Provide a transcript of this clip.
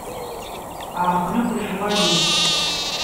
Ɛerqen akk lecɣal-is.